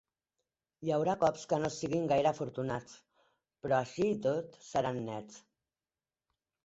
Hi haurà cops que no siguin gaire afortunats, però així i tot seran nets.